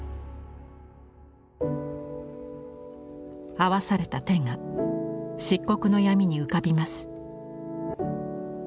合わされた手が漆黒の闇に浮かびます。